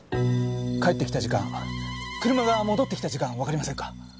帰ってきた時間車が戻って来た時間わかりませんか？